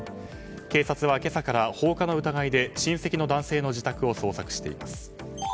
警察は今朝から放火の疑いで親戚の男性の自宅を捜索しています。